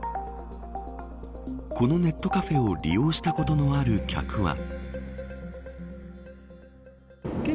このネットカフェを利用したことのある客は。